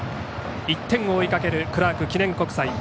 １点を追いかけるクラーク記念国際。